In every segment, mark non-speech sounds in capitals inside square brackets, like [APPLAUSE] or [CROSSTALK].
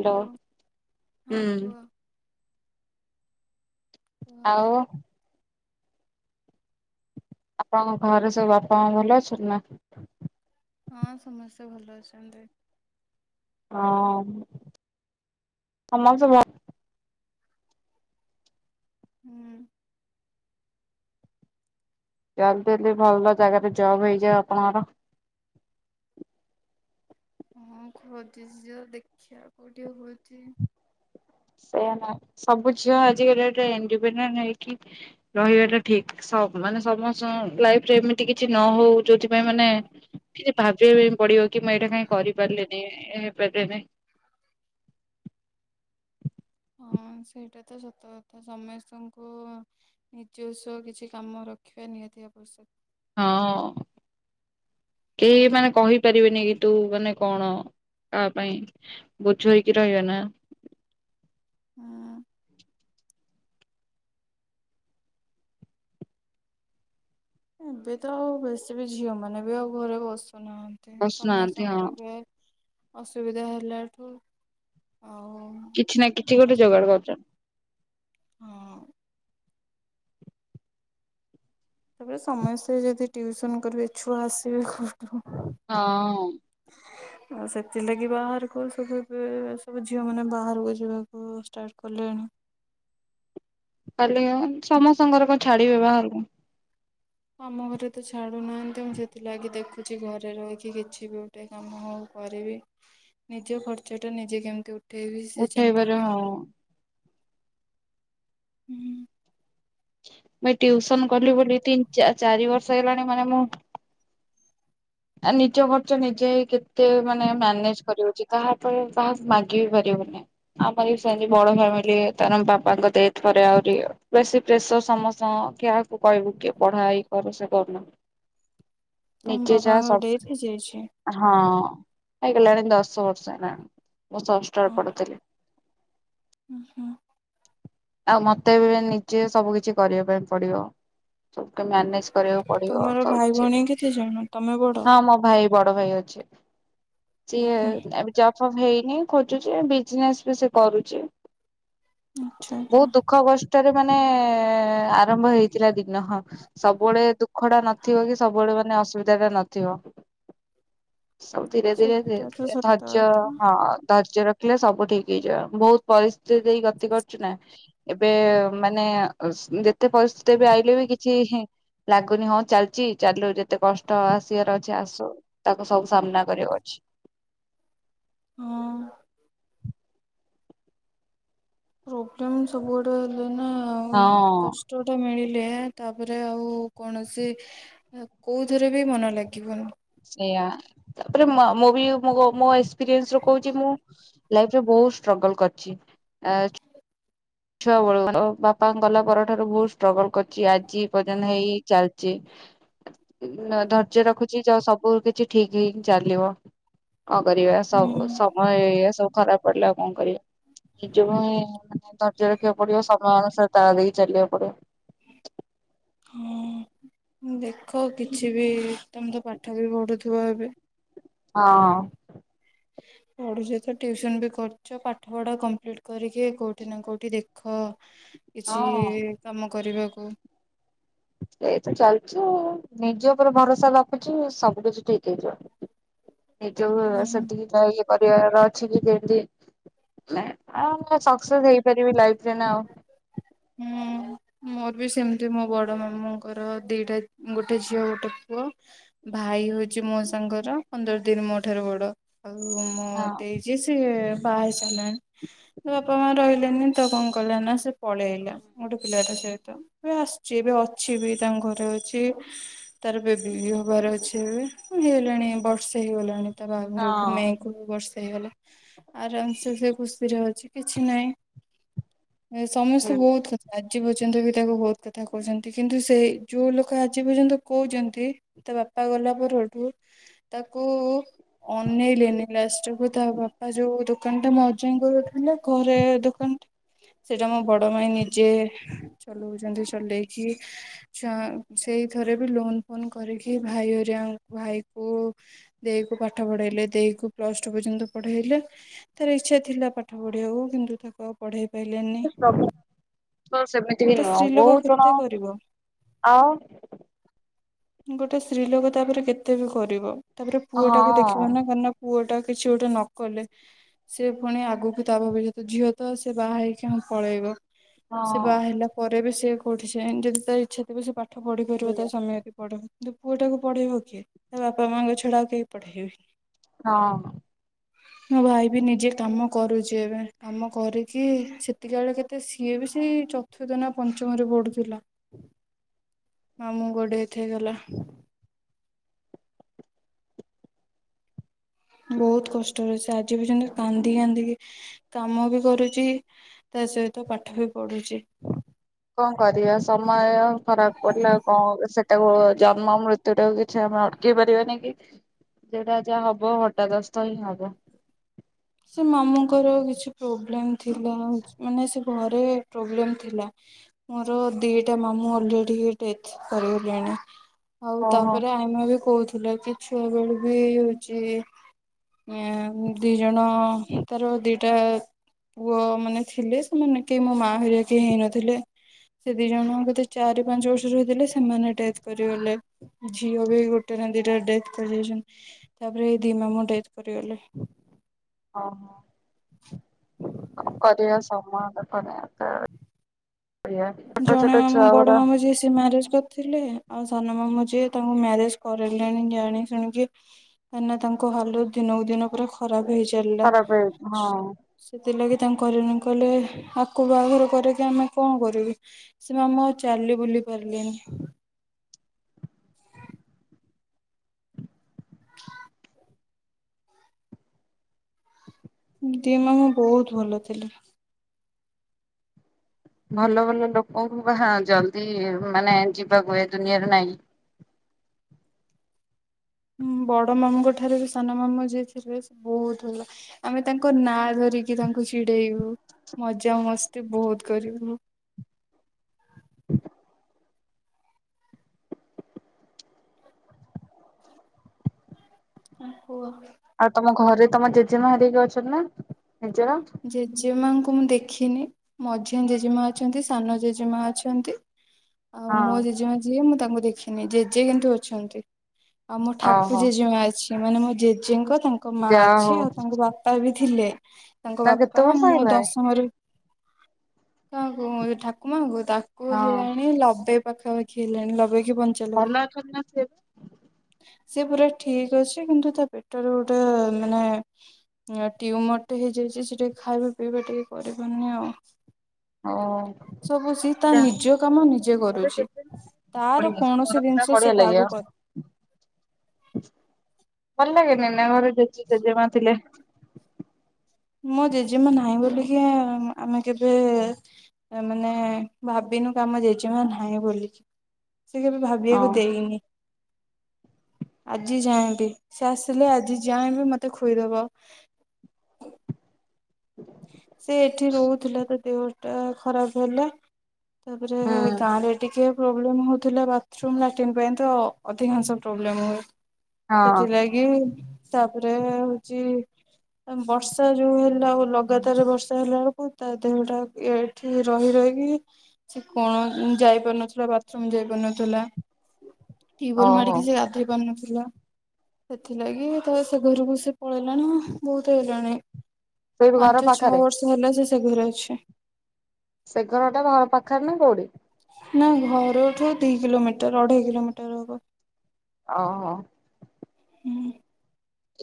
Hello ହଁ ହୁଁ କୁହ କୁହ ଆଉ । ଆପଣଙ୍କ ଘରେ ସବୁ ବାପା ମା ଭଲ ଅଛନ୍ତି ନା । ହଁ ସମସ୍ତେ ଭଲ ଅଛନ୍ତି। ହଁ ଆମ ସବୁ ଭ ହୁଁ । ଜଲଦି ଟିକେ ଭଲ ଜାଗାରେ ଜବ ହେଇଯାଉ ଆପଣଙ୍କର । ହଁ ଖୋଜିଚି ଯୋଉ ଦେଖିବା କୋଉଠି ହଉଛି । ସେଇଆ ନା ସବୁ ଝିଅ ଆଜିକା ଡେଟ୍ ରେ ଇଣ୍ଡିପେଣ୍ଡଣ୍ଟ ହେଇକି ରହିବାଟା ଠିକ ସବ ମାନେ ସମସ୍ତଙ୍କ ଲାଇଫରେ ଏମିତି କିଛି ନ ହଉ ଯୋଉଥିପାଇଁ ମାନେ କିଛି ଭାବିବା ବି ପଡିବ କି ମୁଁ ଏଇଟା କାହିଁ କରିପାରିଲିନି ହେଇପାରିଲିନି। ହଁ ସେଇଟା ତ ସତ କଥା ସମେସ୍ତେଙ୍କୁ ନିଜସ୍ୱ କିଛି କାମ ରଖିବା ନିହାତି ଆବଷ୍ୟକ। ହଁ କେହି ମାନେ କହିପାରିବେନି କି ତୁ ମାନେ କଣ କାହା ପାଇଁ ବୋଝ ହେଇକି ରହିବା ନା । ହଁ । ଏବେ ତ ଆଉ ବେଶୀ ବି ଝିଅ ମାନେ ବି ଆଉ ଘରେ ବସୁ ନାହାନ୍ତି ବସୁନାହାନ୍ତି ହଁ ସମେସ୍ତଙ୍କର ଏବେ ଅସୁବିଧା ହେଲା ଠୁ କିଛି ନା କିଛି ଗୋଟେ ଯୋଗାଡ଼ କରୁଚନ୍ତି। ହଁ । ତାପରେ ସମସ୍ତେ ଯଦି ଟିୟୁଉସନ କରିବେ ଛୁଆ ଆସିବେ କୋଉଠୁ । ହଁ । ଆଉ ସେଥିଲାଗି ବାହାରକୁ ସବୁ ଏବେ ସବୁ ଝିଅମାନେ ବାହାରକୁ ଯିବାକୁ ଷ୍ଟାର୍ଟ କଲେଣି। ଟାଲିଅନ ସମସ୍ତଙ୍କର କଣ ଛାଡିବେ ବାହାରକୁ । ଆମ ଘରେ ତ ଛାଡୁନାହାନ୍ତି ମୁଁ ସେଥିଲାଗି ଦେଖୁଛି ଘରେ ରହିକି କିଛି ବି ଗୋଟେ କାମ ହଉ କରିବି ନିଜ ଖର୍ଚ୍ଚ ଟା ନିଜେ କେମତି ଉଠ ଉଠେଇବି ସେ ଚିନ୍ତା ଉଠେଇବାରେ ରେ ହଁ। ଆଉ । ହୁଁ । ମୁଇ ଟ୍ୟଉସନ କଲି ବୋଲି ତିନି ଚା ଚାରି ବର୍ଷ ହେଲାଣି ମାନେ ମୁଁ ଆ ନିଜ ଖର୍ଚ ନିଜେ ଏଇ କେତେ ମାନେ ମ୍ୟାନେଜ କରି ହଉଛି କାହାଠାରୁ କାହାକୁ ମାଗି ବି ପାରିବୁନି ଆମର ବି ସେମତି ବଡ ଫାମିଲି ତାରେ ଆମ ବାପାଙ୍କ ଡେଥ ପରେ ଆହୁରି ବେଶୀ ପ୍ରେସର ସମସ୍ତଙ୍କ କା କହିବୁ କିଏ କୁଆଡେ ହା ଇଏ କର ସେ କରୁନା- ବାପା ଯାହା ଙ୍କ ସବୁ ଡେଥ ହେଇଯାଇଛି। ହଁ ହେଇଗଲଣି ଦଶ ବର୍ଷ ହେଲାଣି ମୁଁ ଷଷ୍ଟରେ ପଡୁଥିଲି। ଉଁ ହୁଁ । ଆଉ ମତେ ବି ନିଜେ ସବୁ କିଛି କରିବା ପାଇଁ ପଡିବ। ସବୁ ମ୍ୟାନେଜ କରିବାକୁ ପଡିବ ତମର ସବୁ ଭାଇ କିଛି ଭଉଣୀ କେତେ ଜଣ ତମେ ବଡ? ହଁ ମୋ ଭାଇ ବଡ ଭାଇ ଅଛି ସିଏ ଏବେ ଜବ୍ ସବ ହେଇନି ଖୋଜୁଛି ବିଜନେସ ବି ସେ କରୁଛି । ଆଚ୍ଛା ବହୁତ ଆଚ୍ଛା ଦୁଃଖ କଷ୍ ଷ୍ଟ ରେ ମାନେ ଆରମ୍ଭ ହେଇଥିଲା ଦିନ ସବୁବେଳେ ଦୁଃଖ ଟା ନଥିବ କି ସବୁବେଳେ ମାନେ ଅସୁବିଧା ଟା ନଥିବ । ସବୁ ଧୀରେ ଧୀରେ ଧୀରେ ସେଟା ତ ଧୀରେ ସତ ଧର୍ଯ୍ୟ କଥା ହଁ ଧୈର୍ଯ୍ୟ ରଖିଲେ ସବୁ ଠିକ ହେଇଯିବ ବହୁତ ପରିସ୍ଥିତି ଦେଇ ଗତି କରି ନା ଏବେ ମାନେ ଯେତେ ପରିସ୍ଥିତି ଏବେ ଆଇଲେ ବି କିଛି ଲାଗୁନି ହଁ ଚାଲିଛି ଚାଲୁ ଯେତେ କଷ୍ଟ ଆସିବାର ଅଛି ଆସୁ ତାକୁ ସବୁ ସାମ୍ନା କରିବକୁ ଅଛି । ହଁ । ପ୍ରୋବ୍ଲେମ୍ ସବୁଆଡେ ହେଲେ ନା-ଆ-ଆ ହଁ କଷ୍ଟ ଟା ମିଳି ଲେ ତାପରେ ଆଉ କୌଣସି ଅ କୋଉଥିରେ ବି ମନ ଲାଗିବନି। ୟା ତାପରେ ମୋ ମୁଁ ବି ମୋ ମୋ ଏକ୍ସପିରିଏନ୍ସ ରୁ କହୁଛି ମୁଁ ଲାଇଫ୍ ରେ ବହୁତ ଷ୍ଟ୍ରଗଲ କରିଛି। ଏ ଛୁଆବେଳୁ ଉ ବାପା ଗଲା ପରଠାରୁ ବହୁତ ଷ୍ଟ୍ରଗଲ କରିୁଛି ଆଜି ପର୍ଯ୍ୟନ୍ତ ହେଇ ଚାଲିଛି। ଅ ଧୈର୍ଯ୍ୟ ରଖୁଛି ଯ ସବୁ କିଛି ଠିକ ହେଇ ଚାଲିବ । କଣ କରିବା ହୁଁ ସବୁ ସମୟ ଏଇଆ ସବୁ ଖରାପ ପଡିଲା ଆଉ କଣ କରିବା। ନିଜକୁ ହି ଧର୍ଯ୍ୟ ରଖିବାକୁ ପଡିବ ସମୟ ଅନୁସାରେ ତାଳ ଦେଇକି ଚାଲିବାକୁ ପଡିବ । ହଁ ଦେଖ କିଛି ବି ତମେ ତ ପାଠ ବି ପଢୁଥି କୁହ ଏବେ ହଁ ପଢୁଛ ତ, ଟିଉସନ ବି କରୁଛ, ପାଠ ପଢା କମ୍ପ୍ଲିଟ କରିକି କୋଉଠି ନା କୋଉଠି ଦେଖ ହଁ କିଛି-ଇ-ଇ କାମ କରିବାକୁ ଓ ଏଇତ ଚାଲିଛୁ। ନିଜ ଉପରେ ଭରସା ରଖୁଛୁ ସବୁ କିଛି ଠିକ ହେଇଯିବ। ନିଜ ଉପରେ ହୁଁ। ସେତିକି ତ ଇଏ ପରିବାର ଅଛି କିନ୍ତୁ ଏମିତି ମାନେ ଅ-ଅ ସକ୍ସେସ୍ ହେଇପାରିବି ଲାଇଫ୍ ହୁଁ। ମୋର ବି ସେମ୍ ମୋ ବଡ ମାମୁ ମୋର ଦିଇଟା, ଗୋଟେ ଝିଅ ଗୋଟେ ପୁଅ। ଭାଇ ହଉଛି ମୋ ସାଙ୍ଗର ପନ୍ଦର ଦିନ ମୋ ଠାରୁ ବଡ। ଆଉ ମୁଁ ହଁ। ଦେଇଛି ସିଏ ବାହା ହେଇ ସାରିଲାଣି। ବାପା ମା ରହିଲେନି ତ କଣ କଲା ନା ସେ ପଳେଇଲା ଗୋଟେ ପିଲାଟା ସହିତ। ଏବେ ଆସିଛି ଏବେ ଅଛି ବି ତାଙ୍କ ଘରେ ଅଛି। ତାର ବେବି ହବାର ଅଛି ଏବେ। ହେଇଗଲାଣି ବର୍ଷେ ହେଇଗଲାଣି। ତା ବାହାଘର କୁ ମେ କୁ ବର୍ଷେ। ହେଇଗଲେ ଆରାମ ସେ ସେ ଖୁସିରେ ଅଛି କିଛି ନାହିଁ। ଏ ସମସ୍ତେ ବହୁତ [UNINTELLIGIBLE] ଆଜି ପର୍ଯ୍ୟନ୍ତ ବି ତାକୁ ବହୁତ କଥା କହୁଛନ୍ତି। କିନ୍ତୁ ସେଇ ଯୋଉ ଲୋକ ଆଜି ପର୍ଯ୍ୟନ୍ତ କହୁଛନ୍ତି ତା ବାପା ଗଲା ପରଠୁ ତାକୁ-ଉ-ଉ ଅନେଇଲେନି ଲାଷ୍ଟ୍ କୁ ତା ବାପା ଯୋଉ ଦୋକାନ ଟା ମ [UNINTELLIGIBLE] ଘରେ ଦୋକାନଟା ସେଇଟା ମୋ ବଡ ମାଇ ନିଜେ ଚଲଉଛନ୍ତି। ଚଲେଇକି ଚ ସେଇଥରେ ବି ଲୋନ ଫୋନ କରିକି ଭାଇ ଏରିଆ କ ଭାଇକୁ ଦେଇକୁ ପାଠ ପଢେଇଲେ। ଦେଇ କୁ ପ୍ଲସ ଟୁ ପର୍ଯ୍ୟନ୍ତ ପଢେଇଲେ। ତାର ଇଚ୍ଛା ଥିଲା ପାଠ ପଢିବାକୁ କିନ୍ତୁ ତାକୁ ଆଉ ପଢେ ସେମିତି ବି ଗୋଟେ ନୁହଁ। ସ୍ତ୍ରୀ ଲୋକ ବହୁତ ଜଣ କେତେ କରିବ ଆଉ ଗୋଟେ ସ୍ତ୍ରୀଲୋକ ତାପରେ କେତେ ବି କରିବ। ତାପରେ ପୁଅ ଟାକୁ ଦେଖିବ ହଁ ନା କାରଣ ପୁଅ ଟା କିଛି ଗୋଟେ ନ କଲେ ସେ ପୁଣି ଆଗକୁ ତା ଭବିଷ୍ୟତ ଝିଅ ତ ସେ ବାହା ହେଇକି ହଁ ପଳେଇବ ସେ ହଁ। ବାହା ହେଲା ପରେ ବି ସେ ପଠେ ଯଦି ତାର ଇଚ୍ଛା ଥିବ ସେ ପା ପାଠ ପଢିପାରିବ ତା ହଁ ସ୍ୱାମୀ ଆଗେ ପଢିବ କିନ୍ତୁ ପୁଅଟାକୁ ପଢେଇବ କିଏ? ତା ବାପା ମାଆଙ୍କ ଛଡା ଆଉ କେହି ପଢେଇବେନି। ହଁ। ହଁ ଭାଇ ବି ନିଜେ କାମ କରୁଚି ଏବେ। କାମ କରିକି ସେତିକ ବେଳେ ଯେତେ ସିଏ ବି ସେ ଚତୁର୍ଥ ନା ପଞ୍ଚମରେ ପଢୁଥିଲା। ମାମୁଁ ଗୋଡେଇ ଥଇଗଲେ। ବହୁତ କଷ୍ଟରେ ସେ ଆଜି ପର୍ଯ୍ୟନ୍ତ କାନ୍ଦି କାନ୍ଦିକି, କାମ ବି କରୁଚି ତା ସହିତ ପାଠ ବି ପଢୁଚି। କଣ କରିବା ସମୟ ଖରାପ ପଡିଲା କଣ ସେଟାକୁ ଜନ୍ମ ମୃତ୍ୟୁଟାକୁ କିଛି ଆମେ ଅଟକି ପାରିବେନି କି ଯେଟା ଯାହା ହବ ହଠାଦସ୍ତ ହିଁ ହବ। ସେ ମାମୁଙ୍କର କିଛି ପ୍ରୋବ୍ଲେମ୍। ଥିଲା ମାନେ ସେ ଘରେ ପ୍ରୋବ୍ଲେମ୍ ଥିଲା। ମୋର ଦିଇଟା ମାମୁଁ ଅଲରେଡ଼ି ଡେଥ୍ କରିଗଲେଣି। ହଉ ଓହୋ ତାପରେ ଆଇମା ବି କହୁ ଥିଲା କି ଛୁଆ ବେଳୁ ବି ହଉଚି ନିଡି ଦ ଜଣ ତାର ଦିଟା ପୁଅ ମାନେ ଥିଲେ, ସେମାନେ କେହି ମୋ ମା ହେଲା ଯାଏଁ କେହି ହେଇନଥିଲେ। ସେ ଦି ଜଣ କେତେ ଚାରି ପାଞ୍ଚ ବର୍ଷରେ ହେଇଥିଲେ, ସେମାନେ ଡେଥ କରିଗଲେ। ଝିଅ ବି ଗୋଟେ ନା ଦିଟା ଡେଥ କରି ଯାଇଚନ୍ତି। ତାପରେ ଏଇ ଦି ମାମୁ ଡେଥ କରିଗଲେ। ଅହ। କରିସ [UNINTELLIGIBLE] ଜଣେ ମାମୁ ବଡ ମାମୁ ଯିଏ ସେ ମ୍ୟାରେଜ କରିଥିଲେ। ଆଉ ସାନ ମାମଁ ଯିଏ ତାଙ୍କୁ ମ୍ୟାରେଜ କରଲେନି, ଜାଣି ଶୁଣିକି କାହିଁକିନା ତାଙ୍କ ହାଲତ ଦିନକୁ ଦିନ ପୁରା ଖରାପ ହେଇଚଲିଲା। ଖରାପ ହେଇଛି ହଁ। ସେଥିଲାଗି ତାଙ୍କ ହରିଣୀ କହଲେ। ଆକୁ ବାହାଘର କରେଇକି ଆମେ କଣ କରିବି? ସେ ମାମା ଆଉ ଚାଲି ବୁଲି ପାରିଲିନି। [UNINTELLIGIBLE] ଦି ମାମା ବହୁତ ଭଲ ଥିଲା। ଭଲ ଭଲ ଲୋକଙ୍କୁ ବାହା ଜଲଦି ମାନେ ଯିବାକୁ ହଏ ଏ ଦୁନିଆରୁ ନାଇଁ। ହଁ ବଡ ମାମୁଙ୍କ ଠାରୁ ବି ସାନ ମାମୁଁ ଯିଏ ଥିଲେ ସେ ବହୁତ ଭଲ। ଆମେ ତାଙ୍କ ନାଁ ଧରିକି ତାଙ୍କୁ ଚିଡେଇବୁ। ମଜା ମସ୍ତି ବହୁତ। କରିବ। [UNINTELLIGIBLE] ଓହୋ। ଆଉ ତମ ଘରେ ତମ ଜେଜେମା ହରିକା ଅଛନ୍ତି ନା? ନିଜର? ଜେଜେ ମାଙ୍କୁ ମୁଁ ଦେଖିନି। ମଝିଆ ଜେଜେମା ଅଛନ୍ତି। ସାନ ଜେଜେମା ଅଛନ୍ତି। ଆଉ ହଁ ମୋ ଜେଜେମା ଯିଏ ମୁଁ ତାଙ୍କୁ ଦେଖି ଖିନି ଜେଜେ କିନ୍ତୁ ଅଛନ୍ତି। ଆଉ ମୋ ଠାକୁ ଓହୋ ଜେଜେମା ଅଛି। ମାନେ ମୋ ଜେଜେଙ୍କ ତାଙ୍କ ମା ଯାହା ଅଛି। ହଉ ଆଉ ତାଙ୍କ ବାପା ବି ଥିଲେ। ତାଙ୍କ ତାଙ୍କୁ କେତେ ବାପା ବର୍ଷ ମୁଁ ହେଲାଣି? ଦଶମରେ କାଁ କୁଁ ଏ ଠାକୁମା ଙ୍କୁ। ତାକୁ ହଁ ହେଲାଣି ଲବେପ୍ ପାଖାପାଖି ହେଲାଣି ଲବେକି ଭଲ ଅଛନ୍ତି ନାସେ ଏବେ। ସେ ପୁରା ଠିକ ଅଛି, କିନ୍ତୁ ତା ପେଟରେ ଗୋଟେ ମାନେ ଏ ଟ୍ୟୁମରଟେ ହେଇ ହେଇଚି ସେ ଟିକେ ଖାଇବା ପିଇବା ଟିକେ କରିପାରୁନି ଆଉ। ହଉ ସବୁ ସି ତା ଯାହା ନିଜ କାମ ନିଜେ ଘରେ କରୁଛି, ଜେଜେମା ତାର ବଢିଆ ସେ ଘର କୌଣସି ପୁରା ଜିନିଷ ବଢିଆ ସେ ଲାଗିବ କାହାକୁ କରେ ଭଲ ଲାଗେନି ନା ଘରେ ଜେ ଜେଜମା ଥିଲେ। ମୋ ଜେଜେମା ନାହିଁ ବୋଲିକି ଇ ଆମେ କେବେ ଏ ମାନେ ଭାବିନୁ ଆମ ଜେଜେମା ନାହିଁ ବୋଲି। ସେ କେବେ ହଁ। ଭାବିବାକୁ ଦେଇନି ଆଜି ଯାଆଙ୍କେ। ସେ ଆସିଲେ ଆଜି ଯାାଏଁ ବି ମତେ ଖୋଇଦବ। ସେ ଏଠି ରହୁଥିଲା। ଦେହଟା ଖରାପ ହେଲା ତାପରେ ଗାଁ ରେ ଟିକେ ପ୍ରୋବ୍ଲେ ହଉଥିଲା ବାଥରୁମ ଲାଟ୍ରିନ୍ ପାଇଁ ତ ଅଧିକାଂଶ ପ୍ରୋବ୍ଲେମ ହୁଏ। ହଁ ସେଥିଲାଗି ତାପରେ ହଉଛି ବର୍ଷା ଯୋଉ ହେଲା ଆଉ ଲଗ ଲଗାତରେ ବର୍ଷା ହେଲା ବେଳକୁ, ତା ଦେହ ଟା ଏଠି ରହି ରହିକି ସେ କଣ ଯାଇପାରୁନଥିଲା, ବାଥରୁମ ଯାଇ ପାରୁନଥିଲା। ଟିବୋଲ୍ ଓହୋ ମାଡିକି ସେ ଗାଧୋଇ ପାରୁନଥିଲା। ତ ସେଥିଲାଗି ତ ସେ ଘରକୁ ସେ ପଳେଇଲାଣି ବହୁତ ହେଲାଣି। ସେଇଠୁ ଘର ପାଞ୍ଚ ଛଅ ପାଖରେ ବର୍ଷ ହେଲା ସେ ଘରେ ଅଛି। ସେ ଘର ଟା ଘର ପାଖରେ ନା କୋଉଠି। ନା ଘରଠୁ ଦି କିଲୋମିଟର ଅଢେଇ କିଲୋମିଟର ହବ। ଅହୋ। ହୁଁ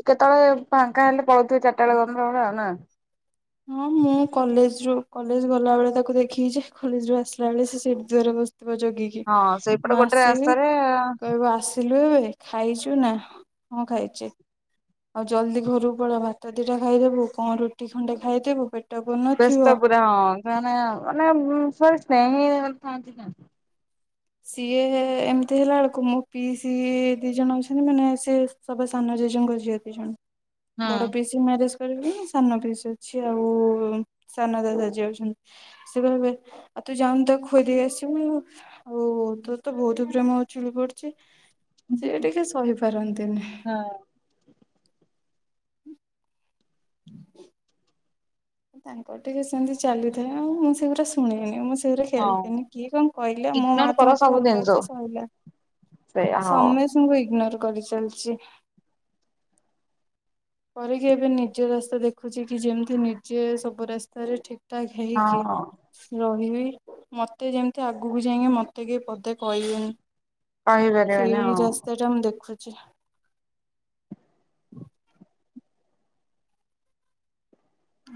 କେତେବେଳେ ଫାଙ୍କା ହେଲେ ପଳଉଥିବେ, ଚାରିଟା ବେଳେ କନ୍ତର ବେଳେ ଆଉ ନା। ହଁ ମୁଁ କଲେଜ ରୁ କଲେଜ ଗଲାବେଳେ ତାକୁ ଦେଖିଛେ କଲେଜରୁୁ ଆସିଲ ବେଳେ ସେଠି ଦୂରେ ବସି ବ ଜଗିକି। ହଁ ସେଇପଟେ ମୁଁ ଗୋଟେ ଆସିବି ରାସ୍ତାରେ କହିବ ଆସି ଲୁଁଏ ଖାଇଛୁ ନା ହଁ ଖାଇଛି ଆଉ ଜଲଦି ଘରକୁ ପଳା ଭାତ ଦିଟା ଖାଇଦବୁ କଣ ରୁଟି ଣ୍ଡେ ଖାଇଦେବୁ ପେ ବ୍ୟସ୍ତ ପୁରା ହଁ ସେମାନେ ମାନେ ସେଇ [UNINTELLIGIBLE] ସିଏ ଏମିତି ହେଲା ବେଳକୁ ମୋ ପିଇସି ଦି ଜଣ ଅଛନ୍ତି ମାନେ ସିଏ ସବୁ ସାନ ଜେଜେଙ୍କ ଝିଅ ଦି ଜଣ। ବଡ ପିଇସିି ମ୍ୟାରେଜ ହଁ ସାନ ପିଇସି ଅଛି ଆଉ ସାନ ଦାଦା ଯିଏ ଅଛନ୍ତି ସେ କହିବେ ତୁ ଯାାଉନୁ ତାକୁ ଖୁଏଇଦେଇ ଆସିବୁ ହଉ ହଉ ତୋର ତ ବହୁତ ପ୍ରେମ ଉଛୁଳି ପଡୁଛି ହୁଁ ସିଏ ଟିକେ ସହିପାରନ୍ତିନି। ହୁଁ [INAUDIBLE] ତାଙ୍କର ଟିକେ ସେମିତି ଚାଲିଥାଏ ଆଉ ମୁଁ ସେଗୁରା ଶୁଣିବିନି ମୁଁ ସେ ସେଗୁରା ହଁ ଖେଲିବିନି କିଏ କଣ କହିଲେ ମୋ ମା ଇଗ୍ନୋର ତ କର ମତେ ସବୁ ଭଲ ଜିନିଷ ପାଉଛି ସଇଲା ସେଇଆ ହଁ ସମସ୍ତଙ୍କୁ ଇଗନୋର। କରି ଚାଲିଛି। କରିକିି ଏବେ ନିଜେ ରାସ୍ତା ଦେଖୁଛି କି ଯେମିତି ନିଜେ ସବୁ ରାସ୍ତାରେ ଠିକ ଠାକ୍ ହେଇକି ହଁ ର ଇ ମତେ ଯେମିତି ଆଗକୁ ଯାଇକି ମତେ କି ପଦେ କହିବେନି। କହିପାରିବେନି ସେଇ ହଁ। ରାସ୍ତା ଟା ମୁଁ ଦେଖୁ ଜା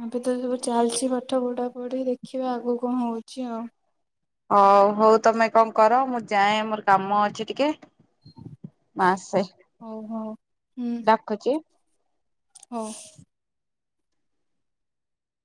ଏବେ ତ ସବୁ ଚାଲିଛି ପାଠ ପଢା ପଢି ଦେଖିବା ଆଗ କଣ ହଉଛି ଆଉ। ହଁ ହଉ ତମେ କଣ କର ମୁଁ ଯାଏ ମୋର କାମ ଅଛି ଟିକେ ମୁଁ ଆସେ ହଉ ହଉ ରଖୁଛି। ହୋଉ।